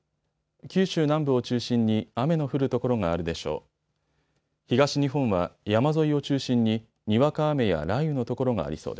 九州南部を中心に雨の降る所があるでしょう。